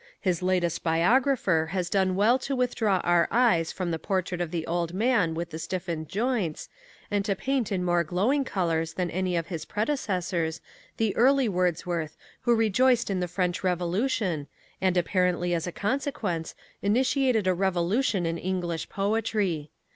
His latest biographer has done well to withdraw our eyes from the portrait of the old man with the stiffened joints and to paint in more glowing colours than any of his predecessors the early Wordsworth who rejoiced in the French Revolution, and, apparently as a consequence, initiated a revolution in English poetry.